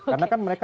karena kan mereka